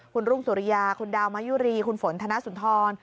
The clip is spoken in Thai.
คุณรุ่งสุริยาคุณดาวมายุรีคุณฝนธนสุนทร